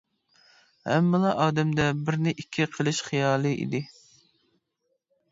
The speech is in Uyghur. ھەممىلا ئادەمدە بىرنى ئىككى قىلىش خىيالى ئىدى.